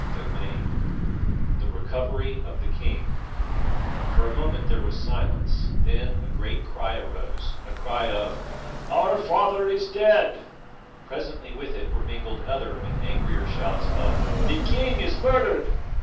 CHAPTER VII THE RECOVERY OF THE KING For a moment there was silence, then a great cry arose a cry of "Our father is dead!" Presently with it were mingled other and angrier shouts of "The king is murdered!"